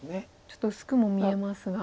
ちょっと薄くも見えますが。